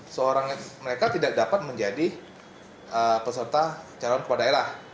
seorang mereka tidak dapat menjadi peserta calon kepala daerah